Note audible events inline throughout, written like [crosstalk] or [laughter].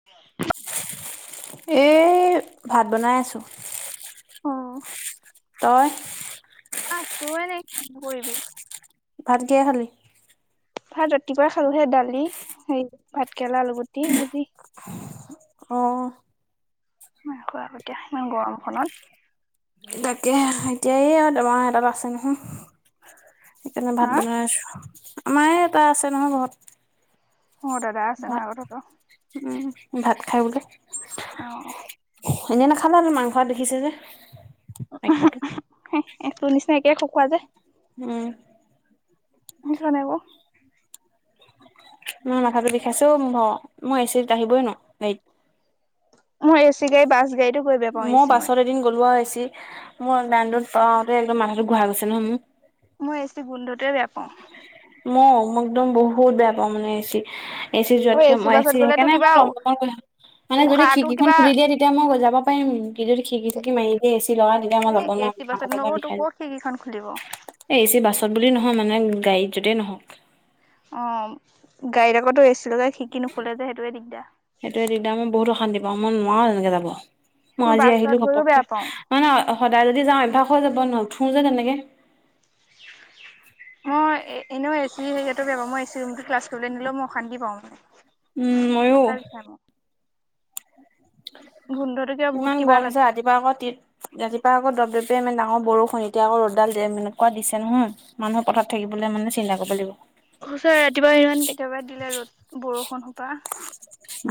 [inaudible] এই ভাত বনাই আছো অ' তই আছো এনে কিনো কৰিবি ভাত কিহে খালি ভাত ৰাতিপুৱাই খালোহে দালি হেই ভাত কেৰেলা আলুগুটি ভাজি অ'। মই খোৱাৰ আগতে খাওঁ, গৰমখনত। তাকে এতিয়াই এয়া দৰমহা এডাল আছে, নহয়? সেইকাণে ভাত হা বনাই আছো, আমাৰ এটা আছে নহয় ঘৰত। চডড উম, উম, উম, ভাত খাই বোলে। অ'। এনে নাখালা ন, মাংস দেখিছে যে। [unintelligible] তোৰ নিচিনা একে খকুৱা যে। উম। [inaudible] মোৰ মূৰটো বিষাইছে অ' মা, মই এ চিত আহিবই নোৱাৰোঁ। মই এ চি গাড়ী বাছ গাড়ী মো বাছত এদিন গ'লো আৰু এ চি মই [inaudible] পাওঁতে একদম মাথাটো ঘূৰাই গৈছে নহয় মোৰ। মই এ চিত গোন্ধটোৱে বেয়া পাওঁ। মও একদম বহুত বেয়া পাওঁ মানে এ চি এ চি অ যোৱাতকে, মই এ বাছত চি গ'লেতো সেইকাৰণে কিবা মই টমটমত গৈ আহোঁ। মানে যদি উশাহটো খিৰকিখন কিবা খুলি দিয়ে তেতিয়া মই যাব পাৰিম, কিন্তু যদি খিৰকি চিতকি মাৰি দিয়ে, এ চি লগাই তেতিয়া মই এ যাব এ নোৱাৰো। চি বাছতনো তোক ক'ত খিৰকিখন খুলিব। এ, এ চি বাছত বুলি নহয়, মানে গাড়ীত য'তেই নহওঁক। অ' গাড়ীত আকৌ এ চি লগাই খিৰিকি নুখুলে যে সেইটোৱে দিগদাৰ। সেইটোৱে দিগদাৰ, মই বহুত অশান্তি পাওঁ, মই নোৱাৰো এনেকে যাব। মই আজি বাছত আহিলোঁ গৈও বেয়া ঘপককে। পাওঁ নহয় নহয় সদায় যদি যাওঁ অভ্যাস হৈ যাব, নুঠো যে তেনেকে। অ' এনেও এ চি হেৰিয়াটো বেয়া পাওঁ। মই এ চি ৰুমত ক্লাছ কৰিবলৈ দিলেও মই অশান্তি পাওঁ মানে। উম, ময়ো। মাথা বিষাই মোৰ গোন্ধটো কিবা বহুত ইমান কিবা গৰম হৈছে লাগে। ৰাতিপুৱা আকৌ তিত ৰাতিপুৱা আকৌ দপদপীয়া মানে ডাঙৰ বৰষুণ, এতিয়া আকৌ ৰ'দডাল এনেকুৱা দিছে নহয়। মানু্হে পথাৰত থাকিবলে মানে চিন্তা কৰিব লাগিব। সঁচাই ৰাতিপুৱা ইমান একেবাৰে দিলে ৰ'দ, বৰষুণ সোপা।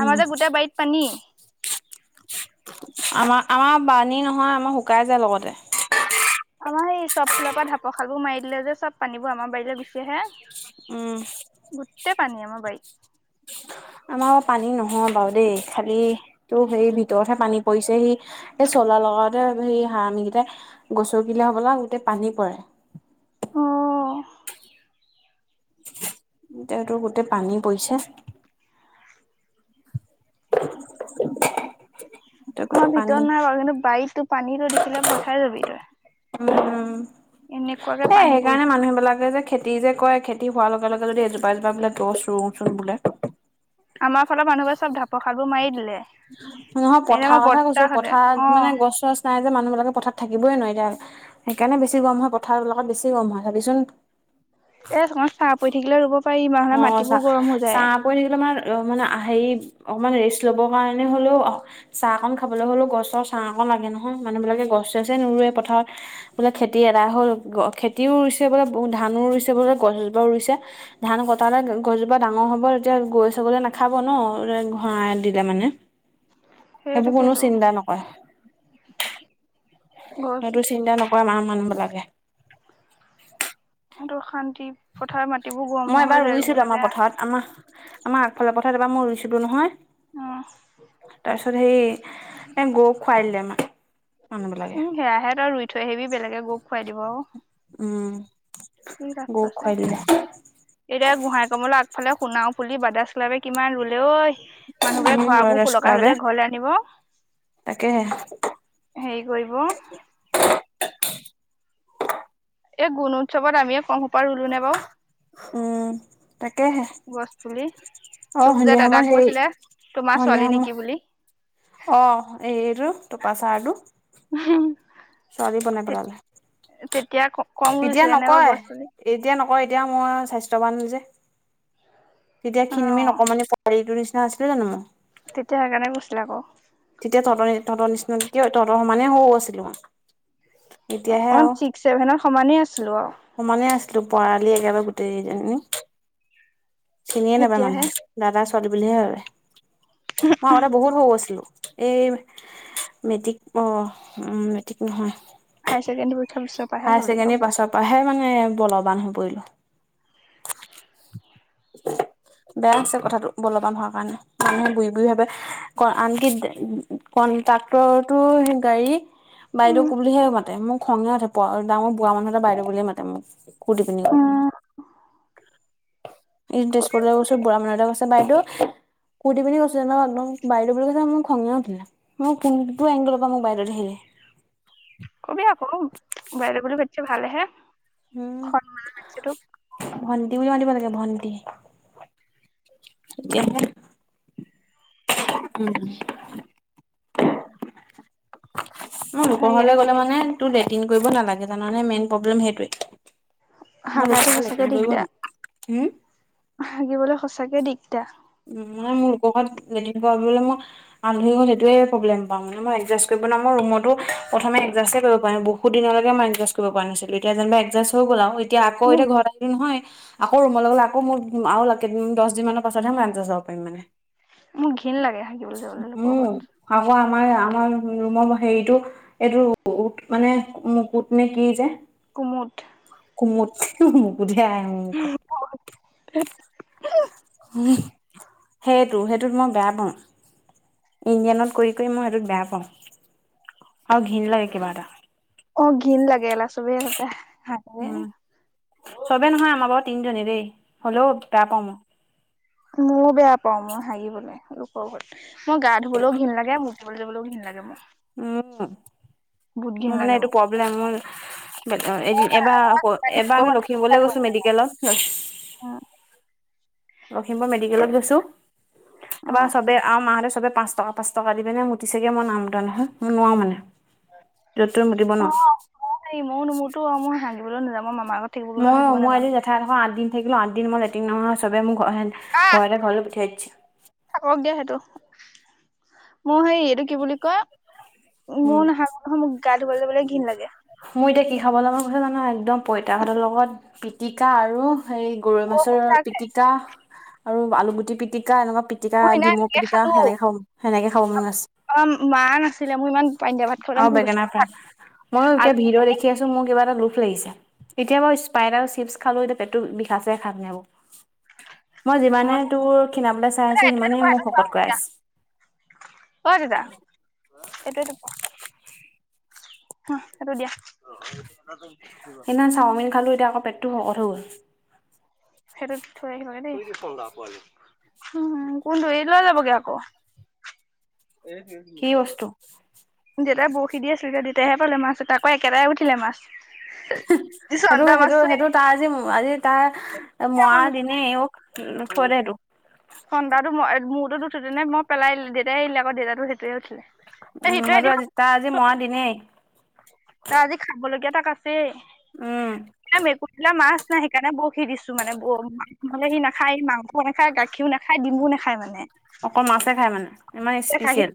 উম। যে গোটেই বাৰীত পানী। আমাৰ, আমাৰ পানী নহয়, আমাৰ শুকাই যায় লগতে। আমাৰ সেই চব ফালৰপৰা ঢাপৰ খালবোৰ মাৰি দিলে যে, চব পানীবোৰ আমাৰ বাৰীলে গুচি আহে। উম। গোটেই পানী আমাৰ বাৰীত। আমাৰ আৰু পানী নহয় বাৰু দেই, খালি তো হেই ভিতৰতহে পানী পৰিছে হি। এই চলাৰ লগাওঁতে হেৰি [unintelligible] গিতাই গছকিলে হ'বলা, গোটেই পানী পৰে। অ',। এতিয়া তোৰ গোটেই পানী পৰিছে। আমাৰ গোটেই ভিতৰত পানী নাই বাৰু, কিন্তু বাৰীতো পানীটো দেখিলে ভয় খাই যাবি তই। উম, এনেকুৱাকে এ পানী পৰি সেইকাৰণে মানুহবিলাকে যে খেতি যে কৰে, খেতি হোৱাৰ লগে-লগে যদি এজোপা এজোপা বোলে গছ ৰুওঁ চোন বোলে। আমাৰ ফালৰ মানুহবোৰে চব ঢাপৰ খালবোৰ মাৰি দিলে। নহয়, এনে পথাৰ আমাৰ কথা কৈছো। বৰ্তাহঁতে পথাৰত অ'। মানে গছ চছ নাই যে, মানুহবিলাকে পথাৰত থাকিবই নোৱাৰে এতিয়া। সেইকাৰণে বেছি গৰম হয়, পথাৰবিলাকত বেছি গৰম হয়, চাবিচোন। এই অকমান ছাঁ পৰি থাকিলে ৰুব পাৰি, নহ'লে মাটিবোৰ গৰম হৈ যায়। কৈ থাকিলে আমাৰ মানে আহে হেৰি অকমান ৰেষ্ট ল'বৰ কাৰণে হ'লেও চাহ অকণ খাবলৈ হ'লেও, গছৰ ছাঁ অকণ লাগে, নহয়। মানুহবিলাকে গছ চছৱে নুৰুৱে পথাৰত। বোলে খেতি আদাই হ'ল, খেতিও ৰুইছে বোলে, ব ধানো ৰুইছে বোলে, গছ জোপাও ৰুইছে ধান কটালে গছজোপা ডাঙৰ হ'ব, তেতিয়া গৰু-ছাগলী নাখাব ন, এ ঘৰ [unintelligible] মানে, সেইটো সেইবোৰ কোনো সেইটো চিন্তা নকৰে। গছ সেইতো চিন্তা নকৰে মা- মানুহবিলাকে। সিহঁতৰ শান্তি। পথাৰৰ মাটিবোৰ গৰম মই এবাৰ হৈ-হৈ যায় ৰুইছিলো ৰুবলৈ, আমাৰ বেয়া। পথাৰত আমাৰ, আমাৰ আগফালৰ পথাৰত এইবাৰ মই ৰুইছিলো নহয়! উম। তাৰপিছত সেই এ'গৰুক খুৱাই দিলে আমাক। উম' সেয়াহে তই ৰুই থৈ আহিবি বেলেগে গৰুক খুৱাই দিব। উম' কি বৌ লাভটো আছে। খুৱাই দিলে। এতিয়া গোহাঁই কমলৰ আগফালে শুনাও ফুলি বাদাছ্লাপে কিমান ৰুলে ঐ। মানুহবোৰে উম ঘৰাবোৰ সুলকা বাবে হ'লকে ঘৰলৈ আনিব। তাকেহে হেৰি কৰিব এই গুণোৎসৱত আমি সোপা ৰুলো নে বাৰু। উম' তাকেহে গছ পুলি তোক অ' যে সন্ধিয়া দাদাক সময়ত হেইৰি কৈছিলে তোমাৰ ছোৱালী নেকি [unintelligible] বুলি। অ' এইৰটো টোপা চাহটো ছোৱালী বনাই পেলালে তেতিয়া কম এতিয়া ৰুইছিলে নাই বাৰু নকয় গছ-পুলি এতিয়া নকওঁ এতিয়া মই স্বাস্থ্যৱান যে। তেতিয়া খিন-মিন অ'। অকণমান পোৱালিটোৰ নিচিনা আছিলো জানো মই। তেতিয়া সেইকাৰণে গৈছিলে আকৌ তেতিয়া তহতৰ তহতৰ নিচিনা তহতৰ সমানে সৰু আছিলো মই। এতিয়াহে অ' আৰু ছিক্স-ছেভেনত সমানেই আছিলোঁ আৰু সমানে আছিলো পৰালি একেবাৰে গোটেইজনী চিনিয়ে নাপায় এতিয়াহে মানুহক। দাদা-ছোৱালী বুলিহে ভাবে মই আগতে বহুত সৰু আছিলো। এই মেট্ৰিক অ' উম, মেট্ৰিক নহয়। হায়ছেকেণ্ডাৰী পৰীক্ষাৰ পিছত পৰা হ'লি শকত। ত পৰাৰাহে মানে বলৱান হৈ পৰিলোঁ। [inaudible] বেয়া আছে কথাটো বলবান হোৱাৰ কাৰণে মানুহে বু বু ভাৱাবে ক আনকি কণ্ট্ৰাক্টৰৰতো সেই গাড়ী বাইদেউ উম ক'ব বুলিহে মাতে মোৰ খঙে উঠে। ডাঙৰ বুঢ়া মানুহ এটা বাইদেউ বুলি মাতে মোক কুৰটি পিন্ধি গ'লে। [inaudible] ই তেজপুৰলৈ গৈছোঁ বুঢ়া মানুহ এটা কৈছে বাইদেউ কুৰ্তি পিন্ধি গৈছিলোঁ ন একদম বাইদেউ বুলি কৈছে মোক খঙ উঠিল। মোক কোনটো এংগলৰ পৰা মোক বাইদেউ দেখি। কবি আকৌ বাইদউ বুলি মাতিছে ভালে হে সন্মানেৰে মাতিছে তোক। ভণ্টি বুলি মাতিব লাগে ভণ্টি। [unintelligible] উম' অ' লোকৰ হেৰি ঘৰলে গ'লে মানে তোৰ লেট্ৰিন কৰিব নালাগে জানানে মেইন প্ৰব্লেম সেইটোৱে। মোৰ লোকৰ হাগাটো ঘৰত সঁচাকে লেট্ৰিন কৰিব নোৱাৰো হম দিগদাৰ হাগিবলৈ সঁচাকে দিগদাৰ। উম ' মানে মোৰ লোকৰ ঘৰত লেট্ৰিন কৰিবলৈ মোৰ আলহী ঘৰত সেইটোৱে প্ৰব্লেম পাওঁ মানে মই এডজাচ কৰিব নোৱাৰো মই ৰুমতো প্ৰথম এডজাষ্টে কৰিব পৰা নাই বহুত দিনলৈকে মই একজাষ্ট কৰিব পৰা নাছিলো এতিয়া যেনিবা এডজাষ্ট হৈ গ'ল। এতিয়া আকৌ মোৰ এতিয়া ঘৰত আহিলো নহয় আকৌ ৰুমৰ লগ গ'লে আকৌ মোৰ দহ দিন মৰ পাছত চ ম চব মানে [unintelligible] মোৰ হিন লাগে হাগিবলৈ যাবলৈ লোকৰ উম ঘৰত। আকৌ আমাৰ আমাৰ ৰুমৰ হেৰিতটো এইটো উত মানে কুত নে কি যে। কুমুট। কুমুট মুখতে নাহে মোৰ। [unintelligible] সেইটো সেইটোত মই বেয়া পাওঁ। ইঞডিয়ানত কৰি কৰি মই সেইটোক বেয়া পাওঁ আৰু ঘিণ লাগে কিবা এটা। অ' ঘিন লাগে চবেই তাতে উম' চবেই নহয় আমাৰ বাৰু তিনিজনী দেই হ'লেও বেয়া পাওঁ মই। ময়ো বেয়া পাওঁ, মই হাগিবলৈ লোকৰ ঘৰত মই গা ধুবলৈও ঘিন লাগে মোক ঘৰলৈ যাবলৈও ঘিণ লাগে মোৰ। উম, বহুত ঘিণ মোৰ মানে লাগে এইটো প্ৰব্লেম মই! এদ উম, এবাৰ এবাৰ আমি লখিমপুৰলৈ গৈছো মেডিকেলত! অ। লখিমপুৰ মেডিকেলত গৈছোঁ তাৰপৰা চবে আৰু মাহঁতে চবে পাঁচ টকা! পাঁচ টকা দি পেলাই মোটিছোগৈ, মই নাই মোটা নহয়। মই নোৱাৰোঁ মানে য'ত ত'ত মোটিব অ নোৱাৰোঁ। অ', হেই ময়ো নোমোটো মই হাগিবলৈ নাযাওঁ মই মামাৰ ঘৰত! থাকিব গ'লেও ময়ো, হাগিব মই নাজানো এদিন জেঠাই ঘৰত আঠদিন থাকিলো আঠদিন মই লেটিন নোহোৱা চবে মোৰ ঘৰে ন! আহ ভয়তে ঘৰলৈ পঠিয়াই দিছে। থাকক দিয়া সেইটো। মোৰ হেই, এইটো কি বুলি কয়? উম মোয়ো নেহাগো নহয় মোৰ গা ধুবলৈ বোলে ঘৃণ লাগে। মোৰ এতিয়া কি খাবলৈ মন গৈছে জানা, একদম পইতা ভাতৰ লগত পিটিকা আৰু হেৰি! গৰৈ মোৰ মাছৰ সঁচাকে পিটিকা আৰু আলুগুটি পিটিকা এনেকুৱা পি! মই সিদিনা এনেকে পিটিকা সেনেকে খাব সেনেকে খাব মান আছে। অ', মা নাছিলে। মোৰ ইমান পানী দিয়া ভাত খাবলৈ আৰু মন বেঙেনা গৈছিলে ফ্ৰাই নহয়। ময়ো এতিয়া ভিডিঅ' দেখি আছো মোৰ কিবা এটা লোভ লাগিছে, এতিয়া স্পাইট আৰু চিপছ খালো এতিয়া পেটটো বিষাইছে খাইপেনাইকে। [unintelligible] নাই। মই যিমানে তোৰ, ক্ষীণাবলৈ চাই আছো, সিমানে মোক শকত কৰাই আছে। এই দেতা এইটো এইটো পোৱা। হ এইটো দিয়া। সেইদিনা চাওমিন খালো এতিয়া আকৌ পেটটো শকত হৈ হ'ল। সেইটোত থৈ আহিবাগৈ দেই। উম, কোনটো? এৰি দিলে [unintelligible] লয় কি বস্তু দেউতাই বৰশী দি আছে, যে দেউতাইহে পালে মাছ এটা আকৌ একেবাই উঠিলে মাছ। সেইটো, চন্দা সেইটো, মাছটো সেইটো তাৰ আজি আজি তাৰ। মৰা মন দিনে উ, থৈ দে এইটো। [unintelligible] মই পেলাই দিলো দেউতাই এৰিলে আৰু দেউতাতো সেইটোৱে আছিলে। উম, আৰু আজি তাৰ আজি মৰা দিনে। তাৰ, আজি খাব লগীয়া তাক আছে। উম মেকুৰীটোলৈ মাছ নাই, সেইকাৰণে বৰশী দিছো মানে ব ন'হলে সি নাখায় মা! নাখায়, গাখীৰ নাখায়, ডিমু নেখায় মানে। অকল মাছহে খাই মানে ইমান স্পেচিয়েল।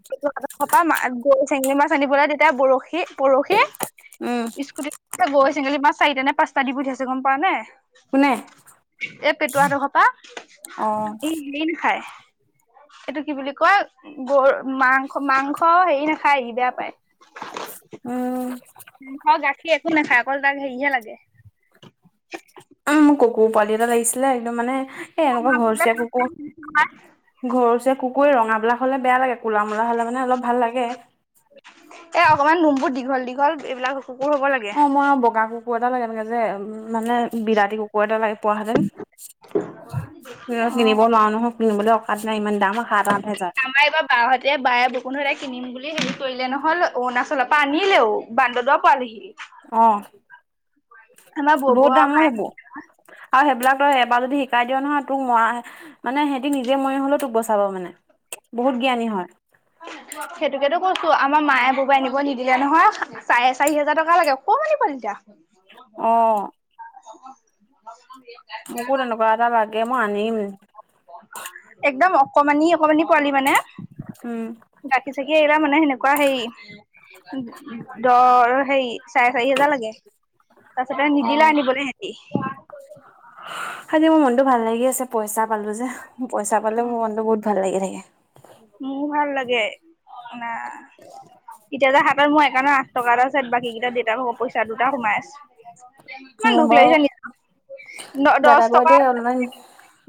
[unintelligible] চেঙেলী মাছ আনিবলৈ, তেতিয়া বৰশী, বৰশী উম। স্কুটিত, এ, গৰৈ চেঙেলী মাছ চাৰি নে, পাঁচটা দি পঠিয়াইছে গম পোৱা নে কোনে এ, পেটোৱা হঁতৰ ঘৰৰ পৰা, অ ই মিন খায়। এইটো কি বুলি কয়? গৰু মাংস, মাংস হেৰি নাখায়হি, বেয়া পায়। উম। মোহৰ গাখীৰ একো নাখায়, অকল তাক হেৰিহে লাগে। উম, মোক কুকুৰ পোৱালি এটা লাগিছিলে, একদম মানে এ, এনেকুৱা ঘৰচীয়া কুকুৰ ঘৰচীয়া কুকুৰ, এই, ৰঙা বিলাক হ'লে বেয়া লাগে, কোলা মোলা হ'লে মানে অলপ ভাল লাগে। এ, অকনমান নোমবোৰ দীঘল দীঘল, এইবিলাক কুকুৰ হ'ব লাগে। অ, মই আৰু বগা কুকুৰ এটা লাগে, এনেকে যে মানে, বিলাতী কুকুৰ কুকুৰ এটা লগে, পোৱাহেতেন, কিনিব নোৱাৰা নহয়। কিনিবলৈ অকাদ নাই, ইমান দাম, সাত-আঠ হেজাৰ। আমাৰ এইবাৰ বা হঁতে, বায়ে [unintelligible] কিনিম বুলি হেৰি কৰিলে নহল, অৰুণাচলৰ পৰা আনিলেও। বন্দদুৱা পোৱালেহি অ, আমাৰ বৌবৌ বহুত দাম আৰু অ' মায়ে এইবোৰ। আৰু সেইবিলাক তই এবাৰ যদি শিকাই দিয় নহয়, তোক মানে সিহতে নিজে মৰি হলেও তোক বচাব মানে বহুত জ্ঞানী হয়। হয়', সেইটোকেতো কৈছো আমাৰ মায়ে ববই আনিব নিদিলে নহয়, চাৰে চাৰি হাজাৰ টকা লাগে অকণমানি পোৱালি কেটা। অ', মোকো তেনেকুৱা এটা লাগে মই আনিম। একদম অকমানি অকমানি পোৱালি মানে। উম', গাখী-চাখী এৰিলে মানে সেনেকুৱা হেৰি দৰ হেৰি চাৰে চাৰি হোজাৰ লাগে তাৰ পিছতে অ নিদিলে আনিবলৈ সিহটে। আজি মোৰ মনটো ভাল লাগি আছে পইচা পালো যে, পইচা পালে মোৰ মনটো বহুত ভাল লাগি থাকে। মোৰ ভাল লাগে না। এতিয়া যে হাতত মোৰ একা আঠ টকা এটা আছে, বাকীকেইটা দেউতা ভাগ পইচা দুটা সোমাই আছে। ইমান মোৰ দুখ বাৰু লাগিছে নিজক দ- দহ দাদা বাৰু টকা দেই অনলাইন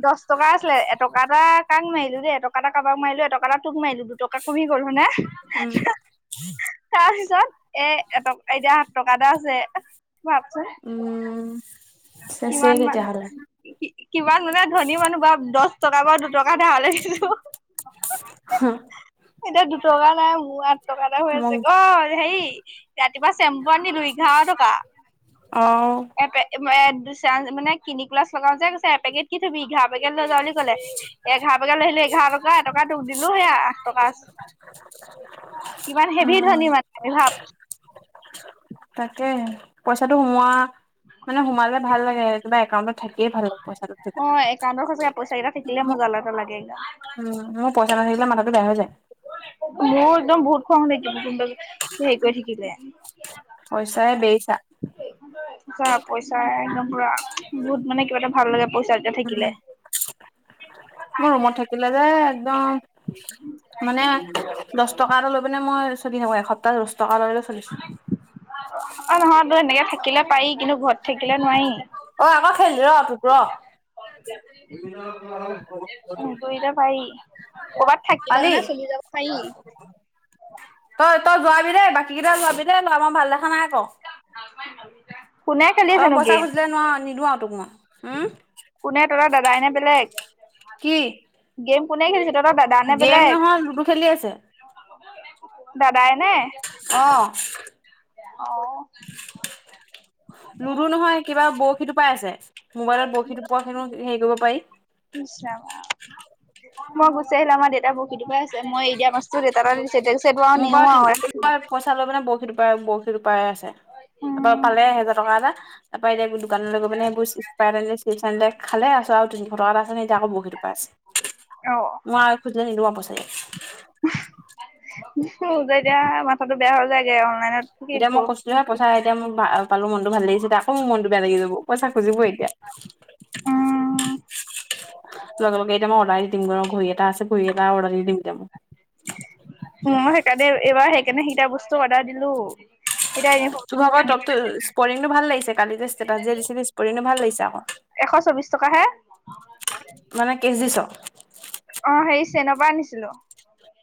দহ টকা আছিলে এটকা এটা কাক মাৰিলো দেই এটকা এটা কাবা কবাক মাৰিলো এটকা এটা, তোক মাৰিলো দুটকা কমি গল হ'য় নে। উম', তাৰপিছত এ- এটক এতিয়া আঠ টকা এটা আছে ভাবচোন। উম', চেচেই কিমান মান তেতিয়াহ'লে কিমান মানে ধনী মানুহ ভাব দহ টকা পা দুটকা ধাৰ লে দিছোঁ। হোম', এতিয়া দুটকা নাই মোৰ আঠ টকা এটা হৈ আছে মোক অ', হেৰি ৰাতিপুৱা চেম্পু আনিলো এঘাৰ টকা। অ এপে মানে কিনিক প্ৰিলাচ লগাও যে কৈছে এপেকেট কি ধুবি, এঘাৰ পেকেট লৈ যা বুলি ক'লে। এঘাৰ পেকেট লৈ আহিলে এঘাৰ এটকা তোক দিলো সেয়া আঠ টকা আছে, কিমান হেভি উম ধনী মানুহ। ভাব তাকে পইচাটো সোমোৱা মানে সোমালে ভাল লাগেএকেবে একাউণ্টত থাকিয়ে ভাল লাগে পইচাটো থা অ একাউণ্টত সঁচাকে পইচা কেইটা থাকিলে মজা এটা লাগে। উম', মোৰ পইচা নাথাকিলে মাথাটো বেয়া হৈ যায়। মোৰ একদম বহুত খং উঠে কিন্তু হেৰি কৰি থাকিলে। পইচাই বেইচা। যা পইচা একদম পুৰা বহুত মানে কিবা এটা ভাল লাগে পইচা যেতিয়া উম', [unintelligible] মোৰ ৰুমত থাকিলে যে একদম মানে দহ টকা লৈ পেনে মই চলি থাকো, এসপ্তাহ দহ টকা লৈ চলিছো। অ', নহয় তই এনেকে থাকিলে পাৰি কিন্তু ঘৰত থাকিলে নোৱাৰি। অ', আকৌ খেলি ৰ তোক ৰ উম', পৰিলে পাৰি। কৰ'বাত থাকিলে পালি মানে চলি যাব পাৰি। তই-তই- যোৱাবি দেই বাকী কেইটা যোৱাবি দেই তই মই ভাল দেখা নাই আকৌ। কোনে খেলি তই পইচা খুজিলে নোৱাৰ নিদো আৰু তোক মই। উম, কোন এ তই দাদাইনে বেলেগ। কি গেম কোনে খেলিছে, তহতৰ দাদা নে গেম বেলেগ? নহয় লুডু খেলি আছে দাদাই নে? অ', আহ, লুডু নহয়, কিবা বৰশী টো পাই আছে, মোবাইলত বৰশী টো পোৱা খিনো হেৰি কৰিব পাৰি মই গুচি আহিলো, আমাৰ দেউতা বৰ সিটো পৰাাই আছে মই এ দিয় মা দি আৰু মোৰ পৰা নিও তিনি আৰু [unintelligible] লৈ মানে বৰশী টোপাৰে বৰশী দুটোপাৰে আছে। তাৰ উম পালে এেহেজাৰ টকা এটা, তাৰ পৰাৰা এতিয়া দোকানলৈ গৈ পানে খালে, আছো আৰু তিনিশটাত আছে ন এতিয়াকৌ বহীৰ পৰা আছে। অ', মই আৰু খুজিলে যে এতিয়া মাথাটো বেয়া হ যায়গে অনলাইনত থিকি এতিয়া প মই পইচা এতিয়া ম পালো মনটো ভাল লাগিছিল আকৌ মোৰ মনতটো বেয়া লাগি যাব, পইচা খুজিবই এতিয়া। উম, লগে, লগে, এতিয়া মই অৰ্ডাৰ দি দিম ঘড়ী এটা আছে ঘড়ী এটা অৰ্ডাৰ দি দিম এতিয়া মোক। ই সেইকাৰণে এইবাৰ সেইকাৰণে সেইটা বস্তু অৰ্ডাৰ দিলো। এতিয়া এনে তুভাগৰ টপতো স্পৰিংটো ভাল লাগিছে, কালি যে ষ্টেটাচ যে দি স্পৰিংটো ভাল লাগিছে আকৌ। চলবিশ টকা হে, মানে কেচ অ', হেৰি চেনৰ পৰা আনিছিলো।